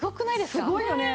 すごいよね。